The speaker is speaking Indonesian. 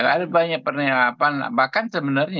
ada banyak penerapan bahkan sebenarnya